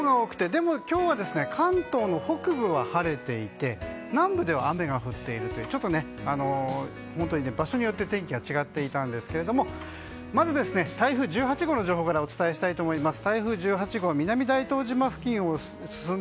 でも今日は関東の北部が晴れていて南部では雨が降っているというちょっと場所によって天気が違っていたんですが、まず台風１８号の情報からお伝えしたいと思います。